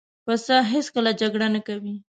پسه هېڅکله جګړه نه کوي.